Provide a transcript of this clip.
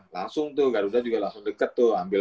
langsung tuh garuda juga langsung deket tuh ambil